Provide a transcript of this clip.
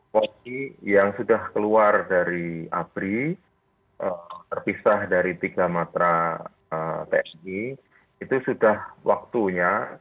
polri yang sudah keluar dari abri terpisah dari tiga matra tni itu sudah waktunya